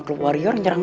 kalo gak di sini ian